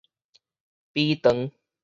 埤塘